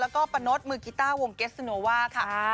แล้วก็ปะนดมือกีต้าวงเกสโนว่าค่ะ